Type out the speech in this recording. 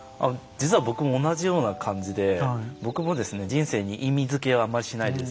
実は僕も同じような感じで僕もですね人生に意味づけはあんまりしないでですね